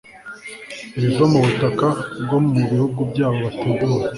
ibiva mu butaka bwo mu bihugu byabo bategura